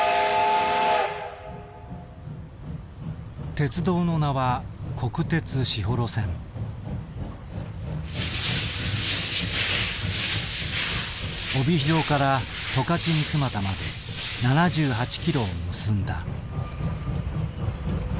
鉄道の名は帯広から十勝三股まで７８キロを結んだ。